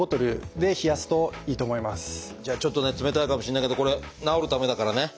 じゃあちょっと冷たいかもしれないけどこれ治るためだからね。